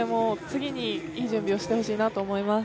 次にいい準備をしてほしいなと思います。